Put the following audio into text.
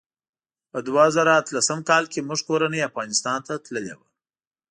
په دوه زره اتلسم کال کې موږ کورنۍ افغانستان ته تللي وو.